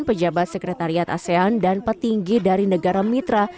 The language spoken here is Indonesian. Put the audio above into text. pejabat sekretariat asean dan petinggi dari negara mitra